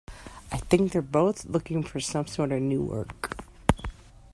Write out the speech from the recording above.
I think they're both looking for some sort of new work.